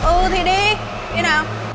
ừ thì đi đi nào